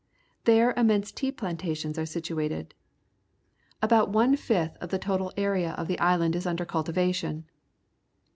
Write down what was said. There immense tea plantations are situated. About one fifth of the total area of the island is under cultivation.